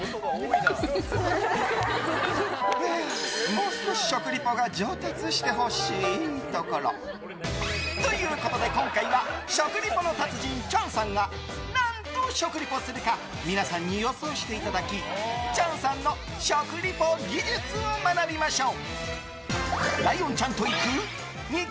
もう少し食リポが上達してほしいところ。ということで、今回は食リポの達人チャンさんが何と食リポするか皆さんに予想していただきチャンさんの食リポ技術を学びましょう。